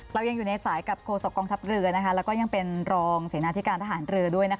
เรายังอยู่ในสายกับโฆษกองทัพเรือแล้วก็ยังเป็นรองเสนาธิการทหารเรือด้วย